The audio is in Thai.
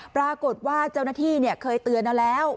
ปรากฏว่าเจ้าหน้าที่เคยเตือนเอาแล้ว